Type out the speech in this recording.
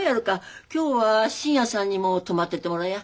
今日は信也さんにも泊まってってもらや。